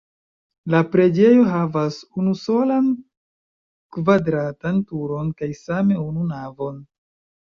La preĝejo havas unusolan kvadratan turon kaj same unu navon.